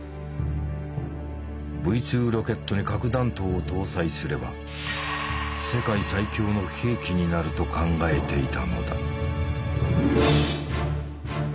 Ｖ２ロケットに核弾頭を搭載すれば世界最強の兵器になると考えていたのだ。